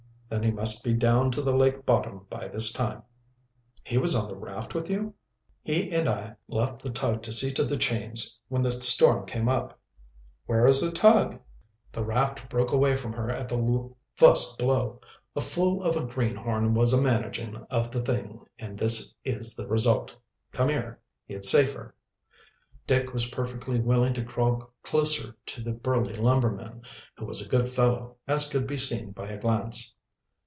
"Then he must be down to the lake bottom by this time." "He was on the raft with you?" "Yes. He and I left the tug to see to the chains when the storm came up." "Where is the tug?" "The raft broke away from her at the fust blow. A fool of a greenhorn was a managin' of the thing, an' this is the result. Come here it's safer." Dick was perfectly willing to crawl closer to the burly lumberman, who was a good fellow, as could be seen by a glance.